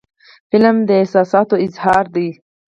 فلم د احساساتو اظهار دی